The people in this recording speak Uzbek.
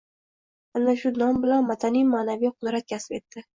Ana shu nom bilan madaniy-ma’naviy qudrat kasb etdi.